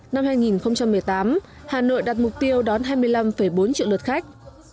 năm hai nghìn một mươi tám hà nội đặt mục tiêu đón hai mươi năm bốn triệu lượt khách